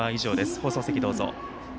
放送席、どうぞ。